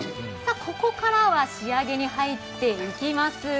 ここからは仕上げに入っていきます。